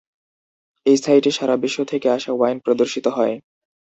এই সাইটে সারা বিশ্ব থেকে আসা ওয়াইন প্রদর্শিত হয়।